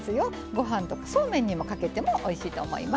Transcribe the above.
ごはんとかそうめんにかけてもおいしいと思います。